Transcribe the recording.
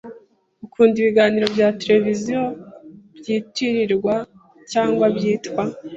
Ukunda ibiganiro bya tereviziyo byitirirwa cyangwa byitwa?